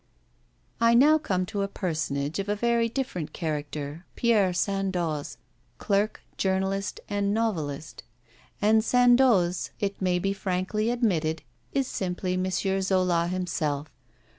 I now come to a personage of a very different character, Pierre Sandoz, clerk, journalist, and novelist; and Sandoz, it may be frankly admitted, is simply M. Zola himself.